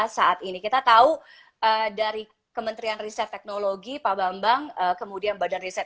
saat ini kita tahu dari kementerian riset teknologi pak bambang kemudian badan riset